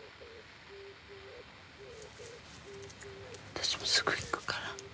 私もすぐ行くから。